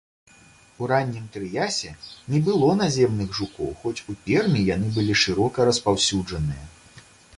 У раннім трыясе не было наземных жукоў, хоць у пермі яны былі шырока распаўсюджаныя.